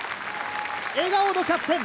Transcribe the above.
笑顔のキャプテン。